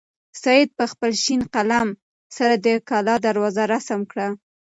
سعید په خپل شین قلم سره د کلا دروازه رسم کړه.